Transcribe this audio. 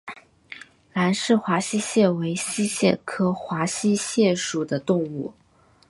兰氏华溪蟹为溪蟹科华溪蟹属的动物。